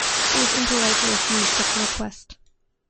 It was impolite to refuse such a request.